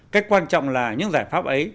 cách quan trọng là những giải pháp ấy